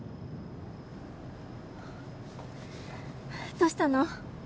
どうしたの？